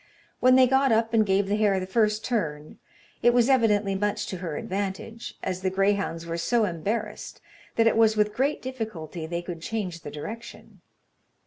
When they got up and gave the hare the first turn, it was evidently much to her advantage, as the greyhounds were so embarrassed that it was with great difficulty they could change the direction.